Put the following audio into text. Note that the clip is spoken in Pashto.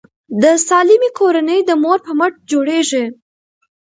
د سالمې کورنۍ د مور په مټه جوړیږي.